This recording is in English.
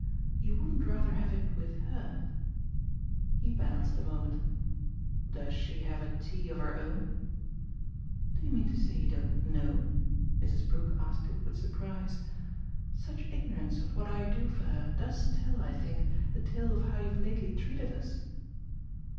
"You wouldn't rather have it with HER?" He balanced a moment. "Does she have a tea of her own?" "Do you mean to say you don't know?" Mrs. Brook asked it with surprise. "Such ignorance of what I do for her does tell, I think, the tale of how you've lately treated us."